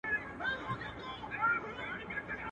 خو له سره ژوندون نه سو پیل کولای.